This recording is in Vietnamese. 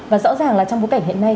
và rõ ràng là trong bối cảnh hiện nay